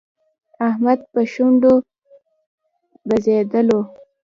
احمد په شونډو بزېدلو.